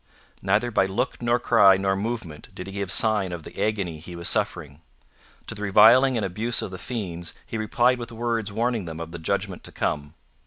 Neither by look nor cry nor movement did he give sign of the agony he was suffering. To the reviling and abuse of the fiends he replied with words warning them of the judgment to come.